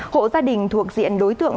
hộ gia đình thuộc diện đối tượng